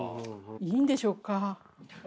いいんでしょうか？